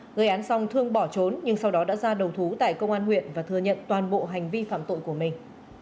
người án xong thương bỏ trốn nhưng sau đó đã ra đầu thú tại công an huyện và thừa nhận toàn bộ hành vi phạm tội của mình